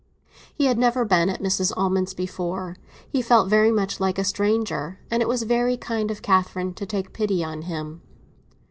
He had never been at Mrs. Almond's before; he felt very much like a stranger; and it was very kind of Catherine to take pity on him.